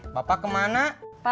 udah nggak ada apa apa